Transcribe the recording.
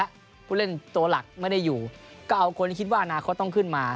และผู้เล่นตัวหลักไม่ได้อยู่ก็เอาคนที่คิดว่าอนาคตต้องขึ้นมา